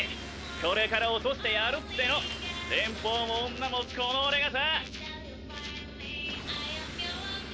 これから落としてやるっての連邦も女もこの俺がさ。